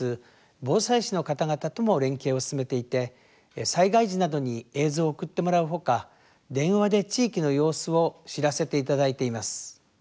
防災士の方々とも連携を進めていて、災害時などに映像を送ってもらうほか電話で地域の様子を知らせていただいています。